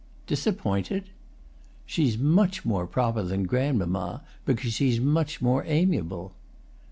"Disappointed?" "She's much more proper than grandmamma, because she's much more amiable."